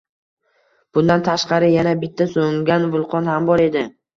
Bundan tashqari, yana bitta so'ngan vulqon ham bor edi.